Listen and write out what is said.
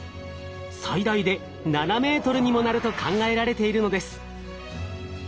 最大で７ｍにもなると考えられているのです。